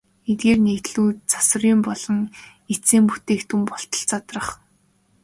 Эдгээр нэгдлүүд завсрын болон эцсийн бүтээгдэхүүн болтол задрах.